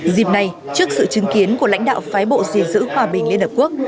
dịp này trước sự chứng kiến của lãnh đạo phái bộ dình giữ hòa bình liên hợp quốc